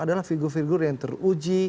adalah figur figur yang teruji